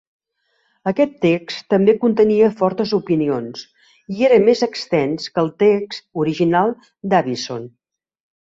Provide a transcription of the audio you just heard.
Aquest text també contenia fortes opinions i era més extens que el text original d'Avison.